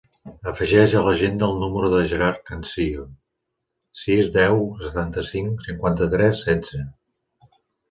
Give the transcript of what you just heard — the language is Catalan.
Afegeix a l'agenda el número del Gerard Cancio: sis, deu, setanta-cinc, cinquanta-tres, setze.